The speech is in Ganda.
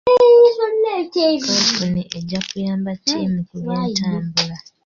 Kkampuni ejja kuyamba ttiimu ku byentambula.